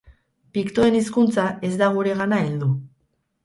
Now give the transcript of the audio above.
Piktoen hizkuntza ez da guregana heldu.